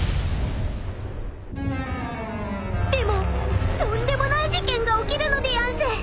［でもとんでもない事件が起きるのでやんす］